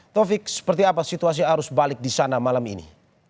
taufik seperti apa situasi arus balik di sana malam ini